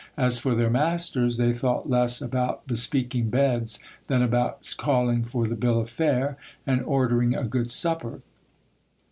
As for their masters, they thought less about bespeak ing beds than about calling for the bill of fare, and ordering a good supper.